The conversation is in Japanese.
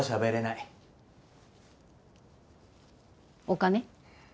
お金？